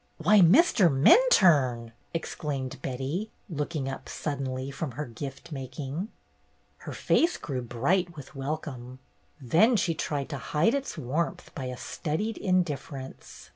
"Why, Mr. Minturne!" exclaimed Betty, THE GYPSIES 293 looking up suddenly from her gift making. Her face grew bright with welcome. Then she tried to hide its warmth by a studied indifference.